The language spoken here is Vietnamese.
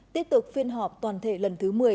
tiếp tục phiên họp toàn thể lần thứ một mươi